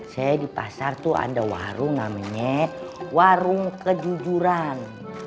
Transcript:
saya di pasar tuh ada warung namanya warung kejujuran